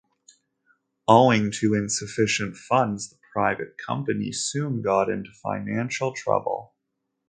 Owing to insufficient funds, the private company soon got into financial trouble.